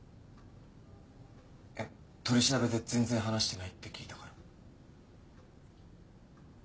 取り調べで全然話してないって聞いたから。